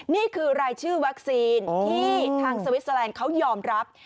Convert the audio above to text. นี่คือรายชื่อวัคซีนที่ทางสวิสเตอร์แลนด์เขายอมรับ